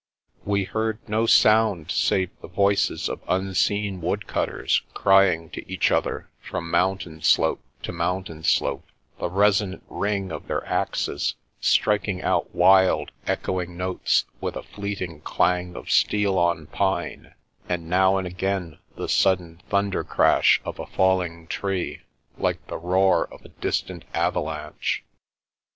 We heard no sound save the voices of imseen woodcutters crying to each other from mountain slope to mountain slope, the resonant ring of their axes, striking out wild, echoing notes with a fleeting clang of steel on pine, and now and again the sudden thunder crash of a falling tree, like the roar of a dis tant avalanche.